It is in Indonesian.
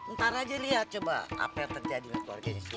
ntar aja lihat coba apa yang terjadi di keluarganya